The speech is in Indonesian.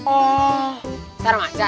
oh sarang acar